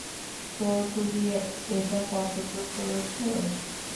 তো, তুমি এটা পছন্দ করেছো?